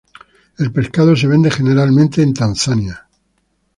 El pescado se vende, generalmente, en Tanzania.